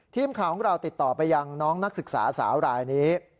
ทีมข่าวของเราติดต่อไปยังน้องนักศึกษาสาวรายนี้